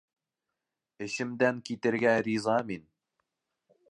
Эшемдән китергә риза мин.